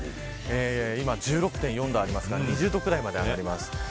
今１６．４度ありますが２０度くらいまで上がります。